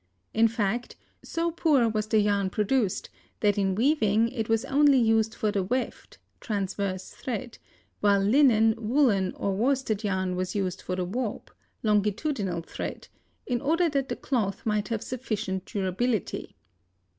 In fact, so poor was the yarn produced that in weaving it was used only for the weft (transverse thread), while linen, woolen or worsted yarn was used for the warp (longitudinal thread), in order that the cloth might have sufficient durability.